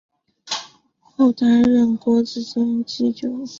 后担任国子监祭酒。